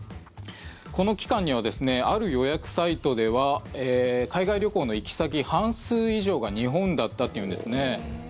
この期間にはある予約サイトでは海外旅行の行き先、半数以上が日本だったっていうんですね。